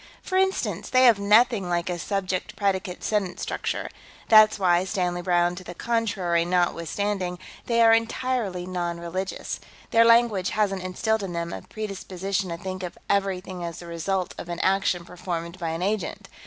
For instance, they have nothing like a subject predicate sentence structure. That's why, Stanley Browne to the contrary notwithstanding, they are entirely non religious. Their language hasn't instilled in them a predisposition to think of everything as the result of an action performed by an agent.